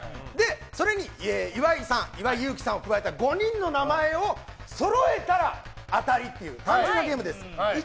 それに岩井勇気さんを加えた５人の名前をそろえたら当たりという単純なゲームです。